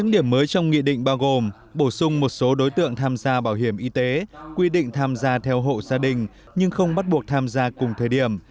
bốn điểm mới trong nghị định bao gồm bổ sung một số đối tượng tham gia bảo hiểm y tế quy định tham gia theo hộ gia đình nhưng không bắt buộc tham gia cùng thời điểm